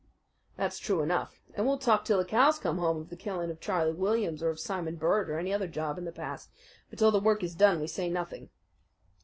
"That's true enough, and we'll talk till the cows come home of the killing of Charlie Williams or of Simon Bird, or any other job in the past. But till the work is done we say nothing."